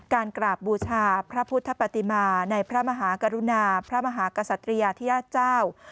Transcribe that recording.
กราบบูชาพระพุทธปฏิมาในพระมหากรุณาพระมหากษัตริยาธิญาติเจ้า